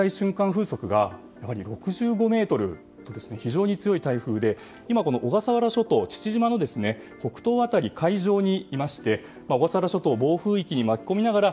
風速がやはり６５メートルと非常に強い台風で小笠原諸島父島の北東辺りの海上にいまして小笠原諸島暴風域に巻き込みながら